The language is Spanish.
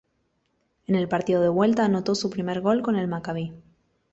En el partido de vuelta anotó su primer gol con el Maccabi.